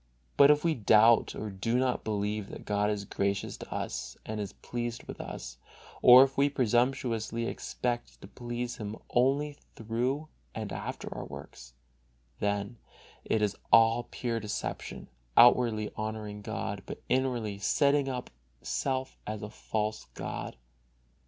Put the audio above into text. But if we doubt or do not believe that God is gracious to us and is pleased with us, or if we presumptuously expect to please Him only through and after our works, then it is all pure deception, outwardly honoring God, but inwardly setting up self as a false god.